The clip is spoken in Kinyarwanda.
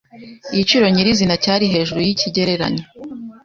Igiciro nyirizina cyari hejuru yikigereranyo.